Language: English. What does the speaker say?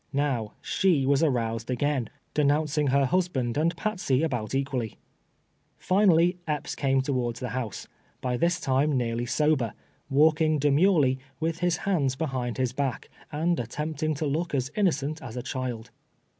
Now, she was aroused again, denouncing her husband and Patsey about equally. Finally, Epps came towards the house, by this time nearly sober, walking demurely, with his liands be hind his back, and attempting to look as innocent as a child.